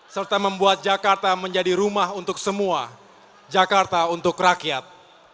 serta membuat jakarta menjadi rumah untuk semua jakarta untuk rakyat